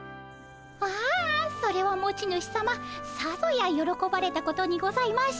ああそれは持ち主さまさぞやよろこばれたことにございましょう。